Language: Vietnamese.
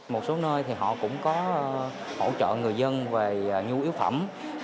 một số nơi thì họ cũng có hỗ trợ người dân về nhu yếu phẩm